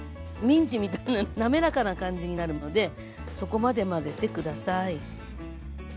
ミンチみたいな滑らかな感じになるまでそこまで混ぜて下さい。